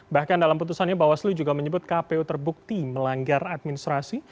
bahkan dalam putusannya bawaslu juga menyebut kpu terbukti melanggar administrasi